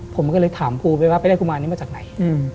ผมก็เลยถามครูไปว่าไปได้กุมารนี้มาจากไหน